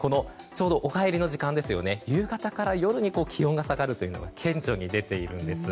帰りの時間、夕方から夜に気温が下がるというのが顕著に出ているんです。